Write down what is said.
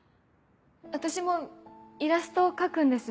私もイラストを描くんです。